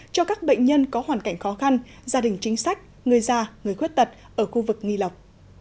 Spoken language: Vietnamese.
cho các bệnh nhân có hoàn cảnh khó khăn gia đình chính sách người già người khuyết tật ở khu vực nghi lộc